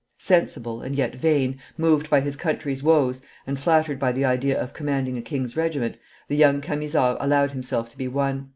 Sensible, and yet vain, moved by his country's woes, and flattered by the idea of commanding a king's regiment, the young Camisard allowed himself to be won.